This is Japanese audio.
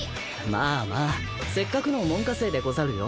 まあまあせっかくの門下生でござるよ。